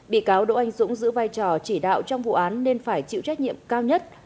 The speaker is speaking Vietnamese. bị cáo đỗ anh dũng giữ vai trò chỉ đạo trong vụ án nên phải chịu trách nhiệm cao nhất